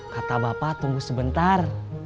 kata bapak tunggu sebentar